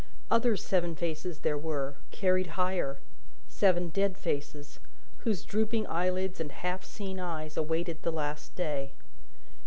Other seven faces there were, carried higher, seven dead faces, whose drooping eyelids and half seen eyes awaited the Last Day.